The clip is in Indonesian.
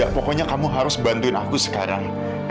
pokoknya kamu harus bantuin aku sekarang